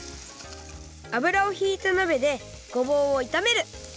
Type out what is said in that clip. あぶらをひいたなべでごぼうをいためる！